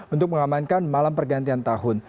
untuk mengamankan malam pergantian tahun